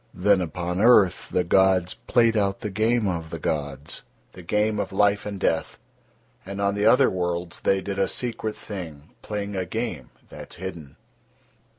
Then upon earth the gods played out the game of the gods, the game of life and death, and on the other worlds They did a secret thing, playing a game that is hidden.